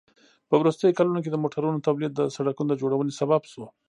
په وروستیو کلونو کې د موټرونو تولید د سړکونو د جوړونې سبب شو.